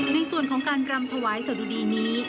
ในส่วนของการรำถวายสะดุดีนี้